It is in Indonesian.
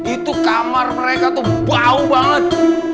itu kamar mereka tuh bau banget